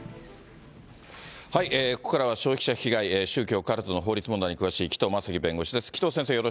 ここからは消費者被害、宗教カルトの法律問題に詳しい紀藤正樹弁護士です、紀藤先生、よ